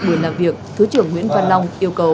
buổi làm việc thứ trưởng nguyễn văn long yêu cầu